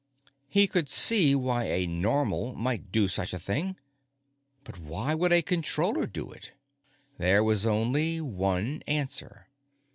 _ He could see why a Normal might do such a thing. But why would a Controller do it? There was only one answer.